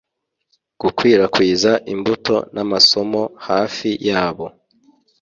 Gukwirakwiza imbuto n'amasomo hafi yabo